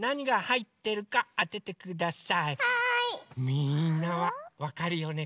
みんなはわかるよね？